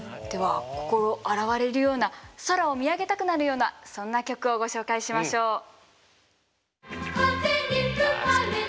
では心洗われるような空を見上げたくなるようなそんな曲をご紹介しましょう。